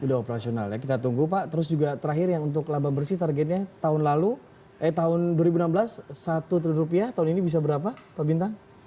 sudah operasional ya kita tunggu pak terus juga terakhir yang untuk laba bersih targetnya tahun lalu eh tahun dua ribu enam belas satu triliun rupiah tahun ini bisa berapa pak bintang